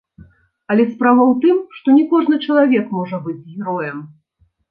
Але справа ў тым, што не кожны чалавек можа быць героем.